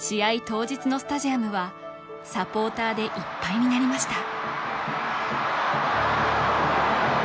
当日のスタジアムはサポーターでいっぱいになりました